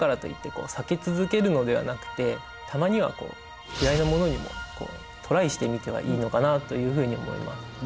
たまにはキライなものにもトライしてみてはいいのかなというふうに思います。